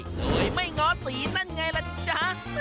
เคยไม่ง้อสีนั่นไงล่ะจ๊ะ